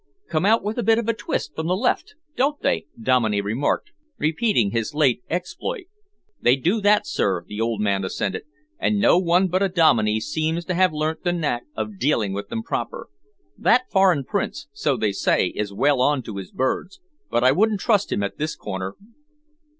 "Come out with a bit of a twist from the left, don't they?" Dominey remarked, repeating his late exploit. "They do that, sir," the old man assented, "and no one but a Dominey seems to have learnt the knack of dealing with them proper. That foreign Prince, so they say, is well on to his birds, but I wouldn't trust him at this corner."